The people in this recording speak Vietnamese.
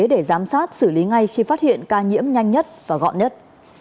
để giám sát xử lý ngay khi phát hiện ca nhiễm nhanh nhất và gọn nhất